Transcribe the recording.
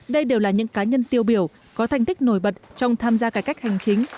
đây đều là những cá nhân tiêu biểu có thành tích nổi bật trong tham gia cải cách hành chính